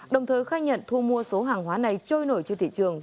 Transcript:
đồng thời khai nhận thu mua số hàng hóa này trôi nổi trên thị trường